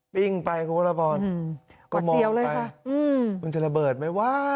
ปิ้งไปครับพระพรอืมก็มอดไปมันจะระเบิดไหมว้า